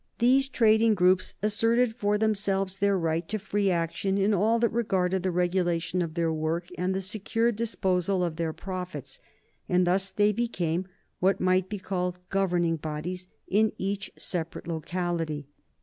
These trading groups asserted for themselves their right to free action in all that regarded the regulation of their work and the secure disposal of their profits, and thus they became what might be called governing bodies in each separate locality.